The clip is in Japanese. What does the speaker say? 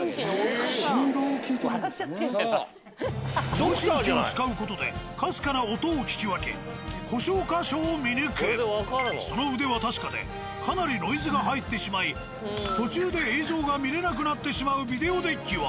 聴診器を使う事でかすかな音を聞き分けその腕は確かでかなりノイズが入ってしまい途中で映像が見れなくなってしまうビデオデッキは。